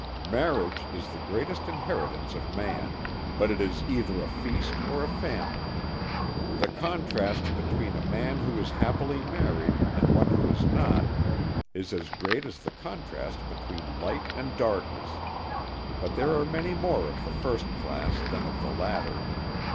"Marriage is the greatest inheritance of man, but it is either a feast or a famine. The contrast between a man who is happily married, and one who is not, is as great as the contrast between light and darkness, but there are many more of the first class than of the latter.